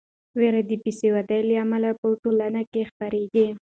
وېره د بې سوادۍ له امله په ټولنه کې خپریږي.